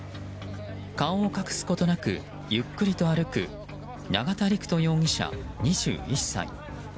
顔を隠すことなくゆっくりと歩く永田陸人容疑者、２１歳。